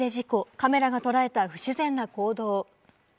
カメラが捉えた不自然な行動。